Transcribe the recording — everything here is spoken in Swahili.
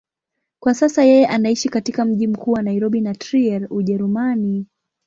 Kwa sasa yeye anaishi katika mji mkuu wa Nairobi na Trier, Ujerumani.